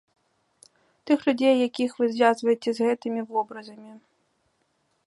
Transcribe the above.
Тых людзей, якіх вы звязваеце з гэтымі вобразамі.